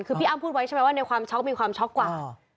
คือพี่อ้ำพูดไว้ใช่ไหมว่าในความช็อกมีความช็อกกว่า